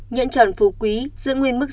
nhãn tròn phú quý giữ nguyên mức